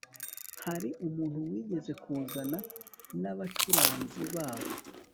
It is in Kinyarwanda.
– hari umuntu wigeze kuzana n' abacuranzi babo